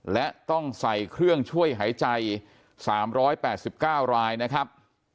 และต้องใส่เครื่องช่วยหายใจ๓๘๙รายนะครับ